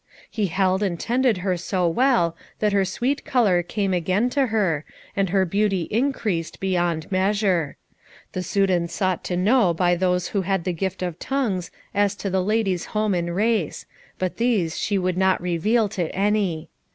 He held and tended her so well, that her sweet colour came again to her, and her beauty increased beyond measure. The Soudan sought to know by those who had the gift of tongues as to the lady's home and race, but these she would not reveal to any.